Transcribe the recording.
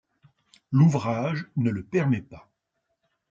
L’ouvrage ne le permet pas.